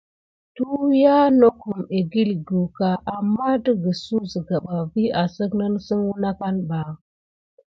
Tuyiya nokum ekikucka aman tikisuk siga ɓa vi asine nesine wune akane ɓa.